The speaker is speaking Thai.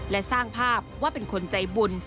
และสร้างภาพว่าเป็นคนใจบุญ